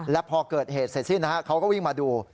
และพอเกิดเหตุเสร็จสิ้นเขาก็วิ่งมาดู